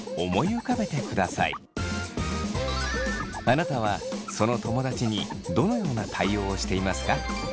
あなたはその友だちにどのような対応をしていますか。